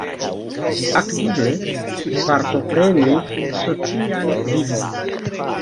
Aktive partoprenis socian vivon.